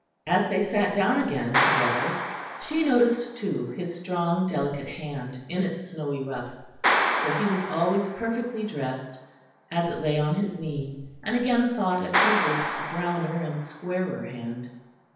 As they sat down again together, she noticed, too, his strong delicate hand in its snowy ruff, for he was always perfectly dressed, as it lay on his knee; and again thought of Hubert's browner and squarer hand.